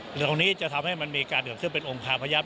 ครั้งนี้จะทำให้มันมีการจะขึ้นเป็นองคาพยับ